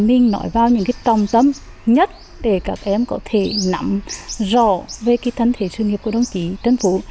mình nói vào những cái tòng tâm nhất để các em có thể nắm rõ về cái thân thể sự nghiệp của đồng chí trần phú